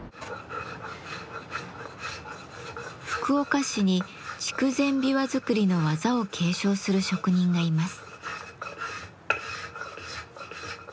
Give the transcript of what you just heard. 福岡市に筑前琵琶作りの技を継承する職人がいます。